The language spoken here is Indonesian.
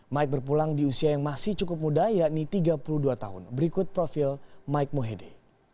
mike berpulang di usia yang masih cukup muda yakni tiga puluh dua tahun berikut profil mike mohede